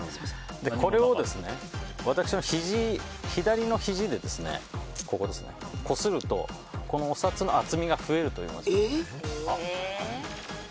これを私の左のひじでこするとこのお札の厚みが増えるというマジックです。